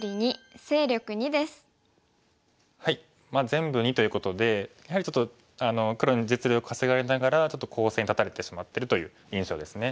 全部２ということでやはりちょっと黒に実利を稼がれながらちょっと攻勢に立たれてしまってるという印象ですね。